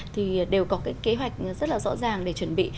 thì đều có cái kế hoạch rất là rõ ràng để chuẩn bị